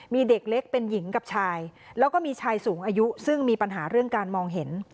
มีเด็กเล็กเป็นหญิงกับชายแล้วก็มีชายสูงอายุซึ่งมีปัญหาเรื่องการมองเห็น